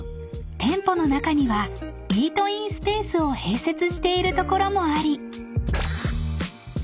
店舗の中にはイートインスペースを併設している所もあり］